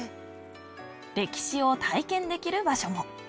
歴史を体験できる場所も。